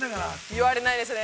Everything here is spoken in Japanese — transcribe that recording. ◆言われないですね。